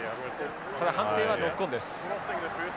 ただ判定はノックオンです。